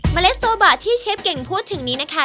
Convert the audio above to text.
เล็ดโซบะที่เชฟเก่งพูดถึงนี้นะคะ